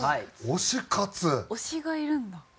推しがいるんだ。